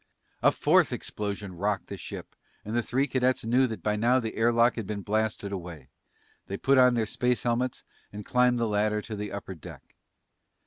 A fourth explosion rocked the ship and the three cadets knew that by now the air lock had been blasted away. They put on their space helmets and climbed the ladder to the upper deck.